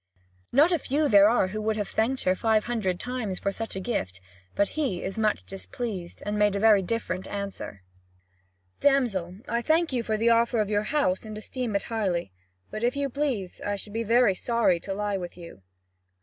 Not a few there are who would have thanked her five hundred times for such a gift; but he is much displeased, and made a very different answer: "Damsel, I thank you for the offer of your house, and esteem it highly, but, if you please, I should be very sorry to lie with you."